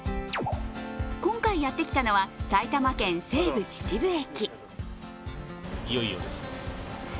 今回やってきたのは埼玉県・西武秩父駅。